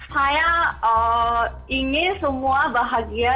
saya ingin semua bahagia dan sehat selalu